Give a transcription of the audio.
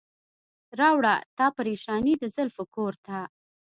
راوړه تا پریشاني د زلفو کور ته.